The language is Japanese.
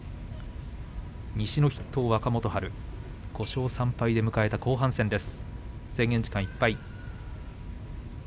西の筆頭の若元春、５勝３敗で迎えた後半戦です。